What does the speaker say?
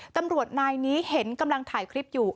ตำรวจนายนี้เห็นกำลังถ่ายคลิปอยู่